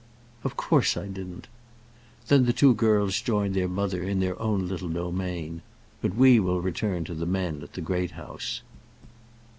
"Of course I didn't." Then the two girls joined their mother in their own little domain; but we will return to the men at the Great House.